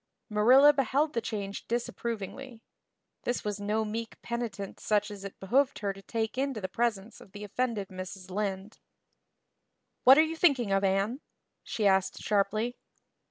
Marilla beheld the change disapprovingly. This was no meek penitent such as it behooved her to take into the presence of the offended Mrs. Lynde. "What are you thinking of, Anne?" she asked sharply.